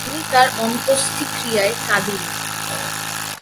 আমি তার অন্তোস্টিক্রিয়ায় কাঁদিনি।